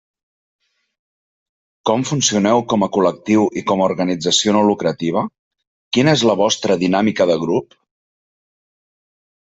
Com funcioneu com a col·lectiu i com a organització no lucrativa: quina és la vostra dinàmica de grup?